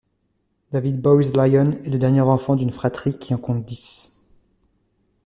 David Bowes-Lyon est le dernier enfant d'une fratrie qui en compte dix.